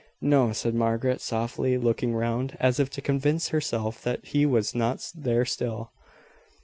"No," said Margaret, softly, looking round, as if to convince herself that he was not there still.